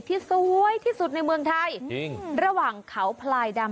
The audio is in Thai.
ที่สวยที่สุดในเมืองไทย